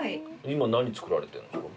今何作られてるんですか？